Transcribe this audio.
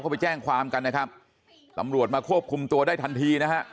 เขาไปแจ้งความกันนะครับตำรวจมาควบคุมตัวได้ทันทีนะฮะ